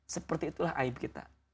seperti itulah aib kita